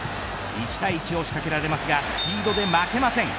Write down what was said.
一対一を仕掛けられますがスピードで負けません。